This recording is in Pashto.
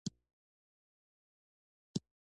پتنگان او هغه خزندګان چې په اور كي ځان اچوي